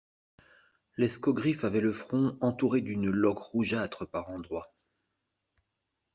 L'escogriffe avait le front entouré d'une loque rougeâtre par endroits.